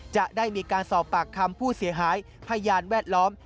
จะได้มีการสอบปากคำผู้เสียหายพยานแวดล้อม